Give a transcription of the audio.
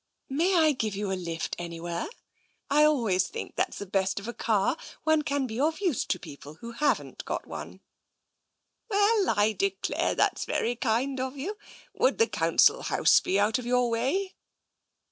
May I give you a lift anywhere? I always think that's the best of a car — one can be of use to people who haven't got one." "Well, I declare that's very kind of you. Would the Council House be out of your way?